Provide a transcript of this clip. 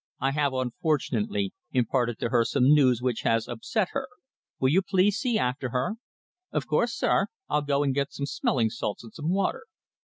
I have, unfortunately, imparted to her some news which has upset her. Will you please see after her?" "Of course, sir. I'll go and get some smelling salts and some water."